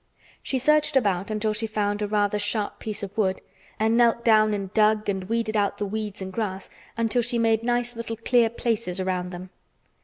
She searched about until she found a rather sharp piece of wood and knelt down and dug and weeded out the weeds and grass until she made nice little clear places around them.